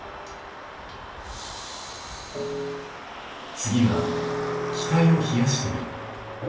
次は気体を冷やしてみる。